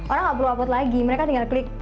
orang nggak perlu upload lagi mereka tinggal klik